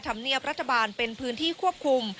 ธรรมเนียบรัฐบาลเป็นพื้นที่ควบคุม